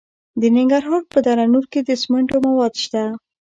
د ننګرهار په دره نور کې د سمنټو مواد شته.